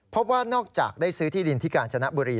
พบว่านอกจากได้ซื้อที่ดินที่กาญจนบุรี